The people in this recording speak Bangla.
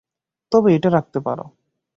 তবে এটা রাখতে পারো।